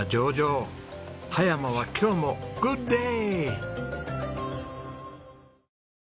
葉山は今日もグッドデー！